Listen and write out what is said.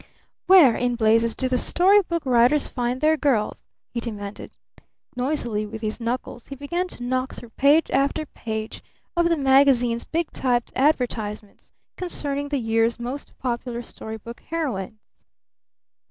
"Where in blazes do the story book writers find their girls?" he demanded. Noisily with his knuckles he began to knock through page after page of the magazine's big typed advertisements concerning the year's most popular story book heroines.